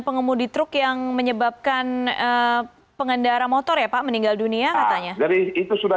pengemudi truk yang menyebabkan pengendara motor ya pak meninggal dunia katanya dari itu sudah